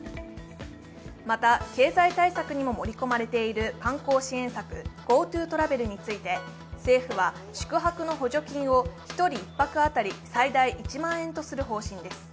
また経済対策にも盛り込まれている観光支援策、ＧｏＴｏトラベルについて政府は宿泊の補助金を１人１泊当たり最大１万円とする方針です。